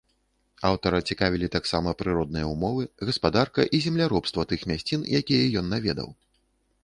Аўтара цікавілі таксама прыродныя ўмовы, гаспадарка і земляробства тых мясцін, якія ён наведаў.